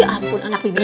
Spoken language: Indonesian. ampun anak bibi